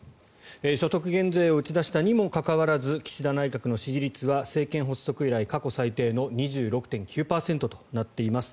所得減税を打ち出したにもかかわらず岸田内閣の支持率は政権発足以来過去最低の２６．９％となっています。